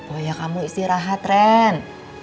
oh ya kamu istirahat ren